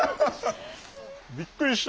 びっくりした。